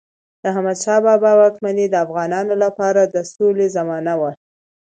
د احمدشاه بابا واکمني د افغانانو لپاره د سولې زمانه وه.